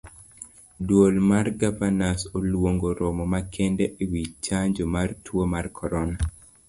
Duol mar gavanas oluongo romo makende ewii chanjo mar tuo mar corona.